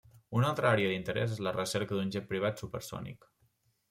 Una altra àrea d'interès és la recerca d'un jet privat supersònic.